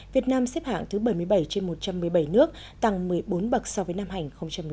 việt nam xếp hạng thứ bảy mươi bảy trên một trăm một mươi bảy nước tăng một mươi bốn bậc so với năm hành một mươi năm